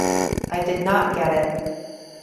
I did not get it.